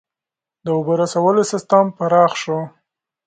• د اوبو رسولو سیستم پراخ شو.